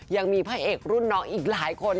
ยังมีพระเอกรุ่นน้องอีกหลายคน